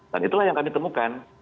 dan itulah yang kami temukan